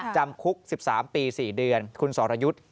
จำคุก๑๓ปี๔เดือนคุณสรยุทธ์